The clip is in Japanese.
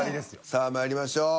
さあまいりましょう。